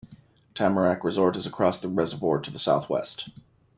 Tamarack Resort is across the reservoir to the southwest.